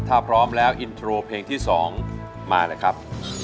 ถ้าพร้อมแล้วอินโทรเพลงที่๒มาเลยครับ